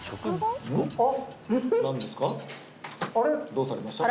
どうされました？